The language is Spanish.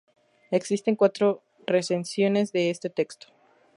Existen cuatro recensiones de este texto.